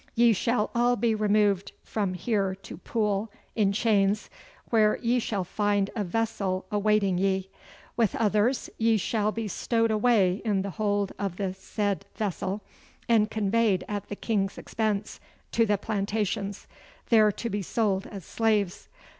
Ye shall all be removed from here to Poole, in chains, where ye shall find a vessel awaiting ye. With others ye shall be stowed away in the hold of the said vessel, and conveyed at the King's expense to the Plantations, there to be sold as slaves.